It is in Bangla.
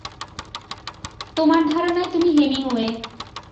তোমার ধারণায় তুমি হেমিংওয়ে।